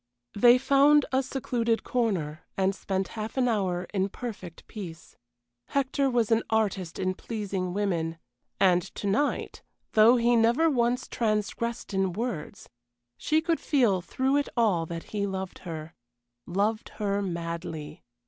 They found a secluded corner, and spent half an hour in perfect peace. Hector was an artist in pleasing women and to night, though he never once transgressed in words, she could feel through it all that he loved her loved her madly.